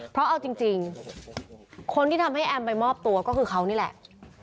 เพราะเอาจริงคนที่ทำให้แอมไปมอบตัวก็คือเขานี่แหละ